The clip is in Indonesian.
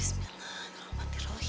sep preached ya allah